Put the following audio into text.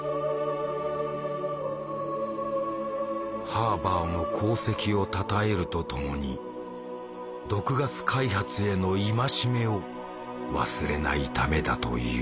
ハーバーの功績をたたえるとともに毒ガス開発への戒めを忘れないためだという。